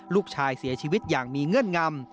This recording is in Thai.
ลูกชายเสียชีวิตอย่างมีเงื่อนงำ